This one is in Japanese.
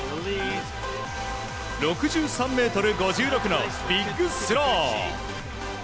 ６３ｍ５６のビッグスロー。